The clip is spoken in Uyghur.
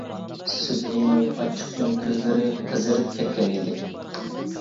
سۈبھىنىڭ ئاچچىقتىن كۆزلىرى قىزىرىپ كەتكەن ئىدى.